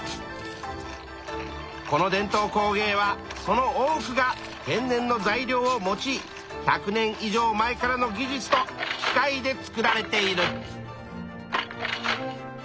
この伝統工芸はその多くが天然の材料を用い１００年以上前からの技術と機械で作られている。